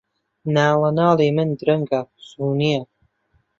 ناڵەناڵی من درەنگە، زوو نییە